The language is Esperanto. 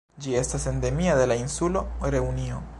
Ĝi estas endemia de la insulo Reunio.